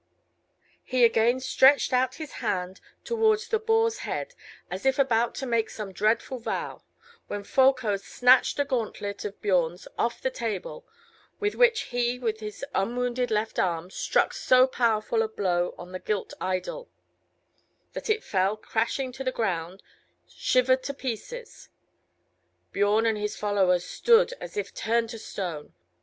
He again stretched out his hand towards the boar's head, as if about to make some dreadful vow, when Folko snatched a gauntlet of Biorn's off the table, with which he, with his unwounded left arm, struck so powerful a blow on the gilt idol, that it fell crashing to the ground, shivered to pieces. Biorn and his followers stood as if turned to stone.